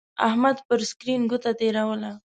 احمد پر سکرین گوته تېروله.